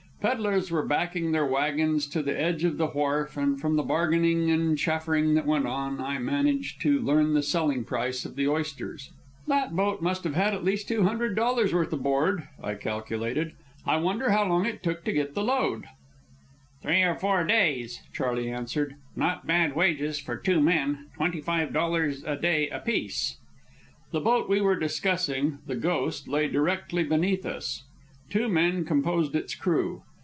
Pedlers were backing their wagons to the edge of the wharf, and from the bargaining and chaffering that went on, I managed to learn the selling price of the oysters. "That boat must have at least two hundred dollars' worth aboard," I calculated. "I wonder how long it took to get the load?" "Three or four days," Charley answered. "Not bad wages for two men twenty five dollars a day apiece." The boat we were discussing, the Ghost, lay directly beneath us. Two men composed its crew.